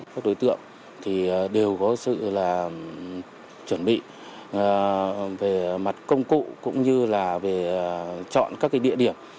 các đối tượng thì đều có sự chuẩn bị về mặt công cụ cũng như là về chọn các địa điểm